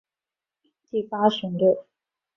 第八岸巡队